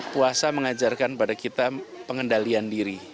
puasa mengajarkan pada kita pengendalian diri